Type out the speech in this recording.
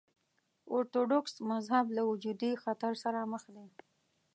ارتوډوکس مذهب له وجودي خطر سره مخ دی.